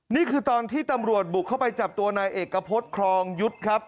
นี่คือตอนที่ตำรวจบุกเข้าไปจับตัวนายเอกพฤษครองยุทธ์ครับ